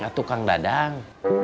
atau kang dadang